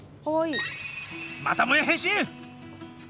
またもや変身！